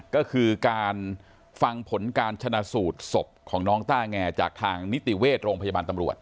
ก็คือการฟังผลการชนะสูตรศพของน้องต้าแงจากทางนิติเวชโรงพยาบาลตำรวจ